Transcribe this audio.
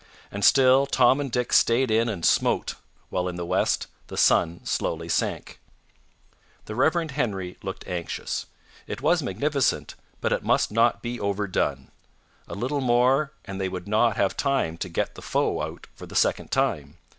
And still Tom and Dick stayed in and smote, while in the west the sun slowly sank. The Rev. Henry looked anxious. It was magnificent, but it must not be overdone. A little more and they would not have time to get the foe out for the second time.